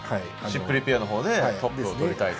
シップリペアのほうでトップを取りたいと。